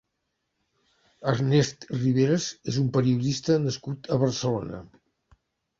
Ernest Riveras és un periodista nascut a Barcelona.